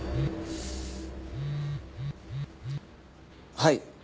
はい。